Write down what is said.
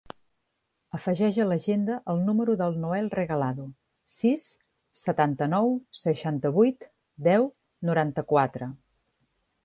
Afegeix a l'agenda el número del Noel Regalado: sis, setanta-nou, seixanta-vuit, deu, noranta-quatre.